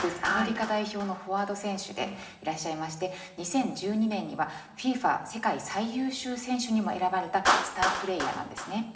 アメリカ代表のフォワード選手でいらっしゃいまして２０１２年にはＦＩＦＡ世界最優秀選手にも選ばれたスタープレーヤーなんですね。